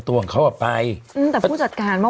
เป็นเอกสารลิสต์นะ